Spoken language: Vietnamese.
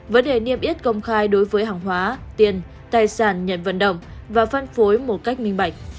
vấn đề niêm yết công khai đối với hàng hóa tiền tài sản nhận vận động và phân phối một cách minh bạch